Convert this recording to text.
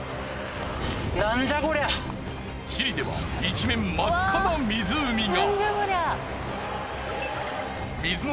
チリでは一面真っ赤な湖が。